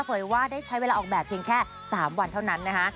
เยว่าได้ใช้เวลาออกแบบเพียงแค่๓วันเท่านั้นนะคะ